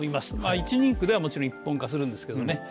１人区ではもちろん一本化するんですけどね